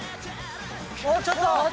もうちょっと。